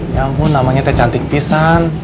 ya ampun namanya teh cantik pisan